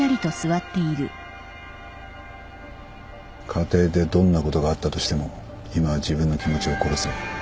家庭でどんなことがあったとしても今は自分の気持ちを殺せ。